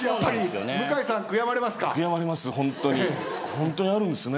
ホントにあるんですね